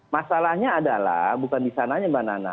masalahnya adalah bukan di sananya mbak nana